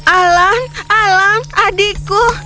alam alam adikku aku sangat berkejutan